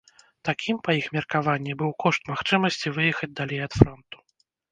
Такім, па іх меркаванні, быў кошт магчымасці выехаць далей ад фронту.